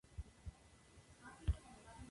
Las flores son de color amarillo satinado.